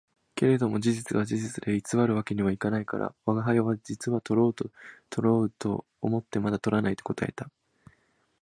けれども事実は事実で偽る訳には行かないから、吾輩は「実はとろうとろうと思ってまだ捕らない」と答えた